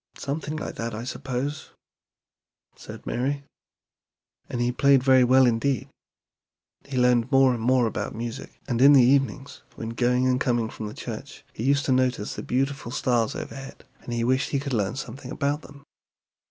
"Something like that, I suppose," said Mary; "and he played very well indeed. He learned more and more about music, and in the evenings when going and coming from the church he used to notice the beautiful stars overhead, and he wished to learn something about them."